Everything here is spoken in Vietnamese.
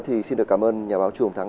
thì xin được cảm ơn nhà báo chuồng thắng